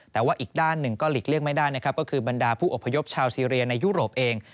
แต่ว่าอีกด้านหนึ่งก็หลีกเลี่ยงไม่ได้นะครับก็คือบรรดาผู้อพยพชาวซีเรียในยุโรปเอง